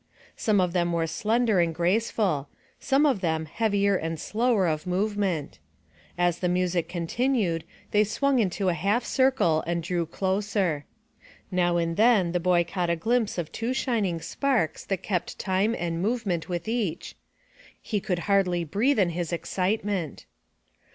Some of them were slender and graceful; some of them heavier and slower of movement. As the music continued they swung into a half circle and drew closer. Now and then the boy caught a glimpse of two shining sparks that kept time and movement with each. He could hardly breathe in his excitement.